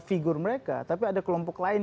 figur mereka tapi ada kelompok lain